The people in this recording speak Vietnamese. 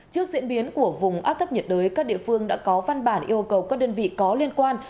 trước diễn biến của vùng áp thấp nhiệt đới các địa phương đã có văn bản yêu cầu các đơn vị có liên quan